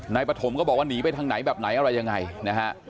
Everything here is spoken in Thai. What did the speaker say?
ปฐมก็บอกว่าหนีไปทางไหนแบบไหนอะไรยังไงนะฮะ